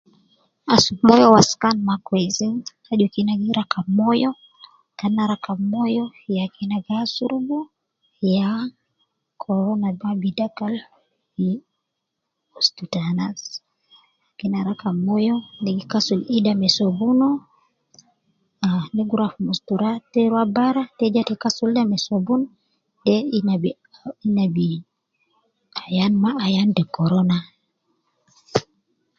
Asurub moyo waskan ma kwesi, aju kena gi rakab moyo ,kena rakab moyo ya kena gi asurub ,ya cholera ma bi dakal ustu te anas ,kena rakab moyo, kena kasul ida tena, Kalam ne gi rua fi mustura, te rua bara, te arija te ja kasul ida me sobun, de ina ,bi, ina bi, ayan ma ayan te corona